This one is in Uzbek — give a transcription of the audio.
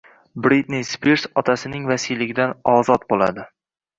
Britni Spirs otasining vasiyligidan ozod bo‘ladi